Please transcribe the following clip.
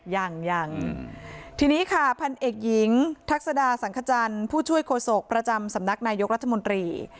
ยังทีนี้ค่ะพันธุ์เอกหญิงทักษดาสังคจรผู้ช่วยโครโศกประจำสำนักนายกรัฐมนตรี